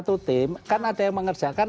satu tim kan ada yang mengerjakan